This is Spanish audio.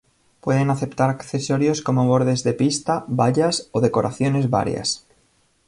Pueden aceptar accesorios como bordes de pista, vallas o decoraciones varias.